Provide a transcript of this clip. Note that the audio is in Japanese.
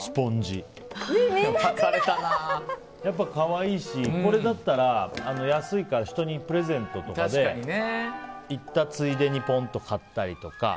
やっぱ可愛いし、これだったら安いから、人にプレゼントとかで行ったついでにポンと買ったりとか。